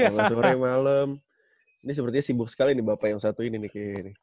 kalo ga sore malem ini sepertinya sibuk sekali nih bapak yang satu ini nih kayaknya